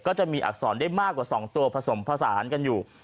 จะมีอักษรได้มากกว่า๒ตัวผสมผสานกันอยู่